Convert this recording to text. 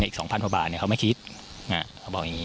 อีก๒๐๐กว่าบาทเขาไม่คิดเขาบอกอย่างนี้